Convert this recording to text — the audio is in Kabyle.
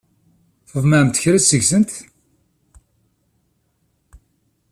Tḍemɛemt kra seg-sent?